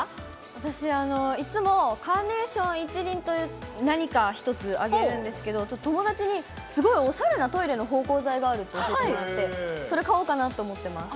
私、いつもカーネーション１輪と、何か１つあげるんですけど、ちょっと友達にすごいおしゃれなトイレの芳香剤があるって聞いたことがあって、それ買おうかなと思っています。